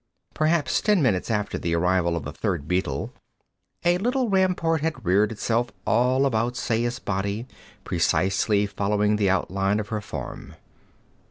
Perhaps ten minutes after the arrival of the third beetle a little rampart had reared itself all about Saya's body, precisely following the outline of her form.